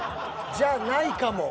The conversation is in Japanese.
じゃあないかも。